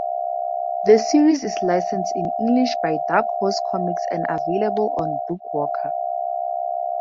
The series is licensed in English by Dark Horse Comics and available on BookWalker.